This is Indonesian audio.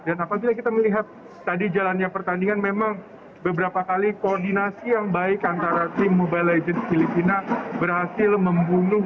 dan apabila kita melihat tadi jalannya pertandingan memang beberapa kali koordinasi yang baik antara tim mobile legends filipina berhasil membalikkan